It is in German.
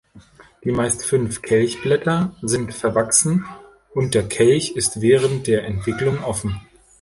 Die meist fünf Kelchblätter sind verwachsen und der Kelch ist während der Entwicklung offen.